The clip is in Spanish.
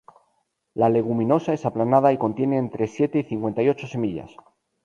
La leguminosa es aplanada y contiene entre siete y cincuenta y ocho semillas.